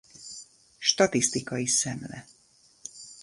Statisztikai Szemle.